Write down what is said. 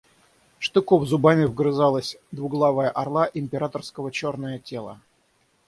Штыков зубами вгрызлась в двуглавое орла императорского черное тело.